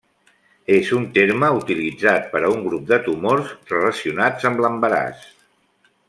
És un terme utilitzat per a un grup de tumors relacionats amb l'embaràs.